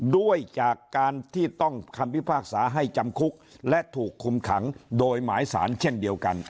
ด้วยจากการที่ต้องคำพิพากษาให้จำคุกและถูกคุมขังโดยหมายสารเช่นเดียวกัน